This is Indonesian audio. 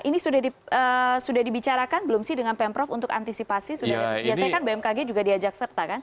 ini sudah dibicarakan belum sih dengan pemprov untuk antisipasi biasanya kan bmkg juga diajak serta kan